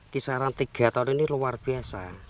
kisaran tiga tahun ini luar biasa